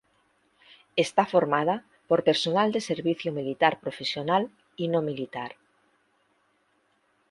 Está formada por personal de servicio militar profesional y no militar.